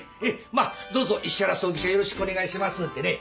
まっどうぞ石原葬儀社よろしくお願いしますってねぇ。